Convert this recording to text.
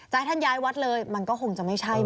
ท่านจะย้ายวัดเลยมันก็คงจะไม่ใช่มั้ง